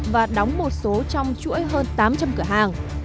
và đóng một số trong chuỗi hơn tám trăm linh cửa hàng